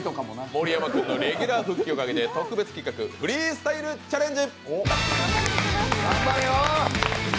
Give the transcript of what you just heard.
盛山君のレギュラー復帰をかけてフリースタイルチャレンジ！